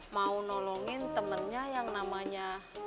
mau nolongin temennya yang namanya